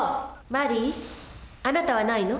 マリーあなたはないの？